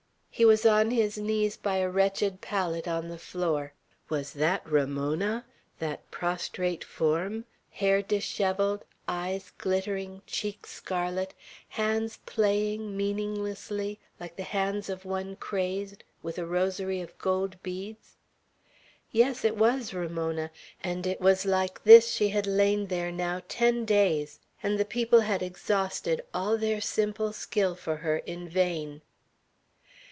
He was on his knees by a wretched pallet on the floor. Was that Ramona, that prostrate form; hair dishevelled, eyes glittering, cheeks scarlet, hands playing meaninglessly, like the hands of one crazed, with a rosary of gold beads? Yes, it was Ramona; and it was like this she had lain there now ten days; and the people had exhausted all their simple skill for her in vain.